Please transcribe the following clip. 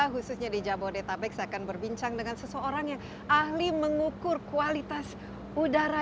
khususnya di jabodetabek saya akan berbincang dengan seseorang yang ahli mengukur kualitas udara